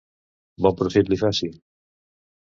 Bon profit li faci!